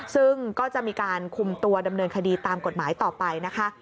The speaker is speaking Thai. ซึ่งก็จะมีการคุมตัวดำเนินคดีตามกฎหมายต่อไปนะคะ